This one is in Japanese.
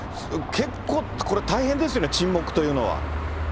結構、これ、大変ですよね、沈黙というのは。